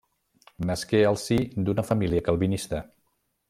Nasqué al si d'una família calvinista.